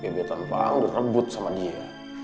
bebetan pak ang direbut sama dia